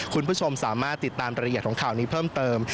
คุณผู้ชมสามารถติดตามรายละเอียดของข่าวนี้เพิ่มเติม